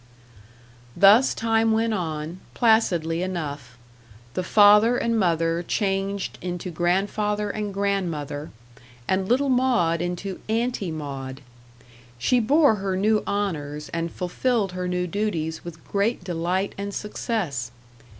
Thus time went on, placidly enough; the father and mother changed into grandfather and grandmother, and little Maud into Auntie Maud. She bore her new honours and fulfilled her new duties with great delight and success.